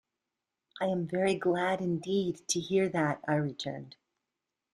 "I am very glad indeed to hear that," I returned.